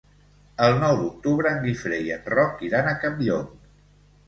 El nou d'octubre en Guifré i en Roc iran a Campllong.